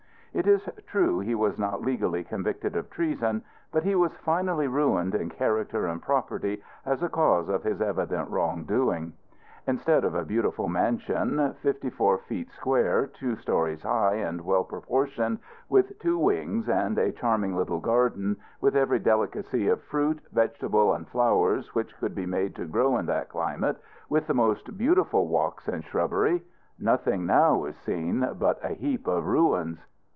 It is true he was not legally convicted of treason, but he was finally ruined in character and property, as a cause of his evident wrong doing. Instead of a beautiful mansion fifty four feet square, two stories high, and well proportioned, with two wings, and a charming little garden, with every delicacy of fruit, vegetables, and flowers which could be made to grow in that climate, with the most beautiful walks, and shrubbery nothing now is seen but a heap of ruins.